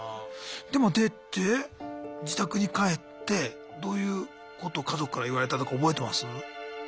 でも出て自宅に帰ってどういうことを家族から言われたとか覚えてます？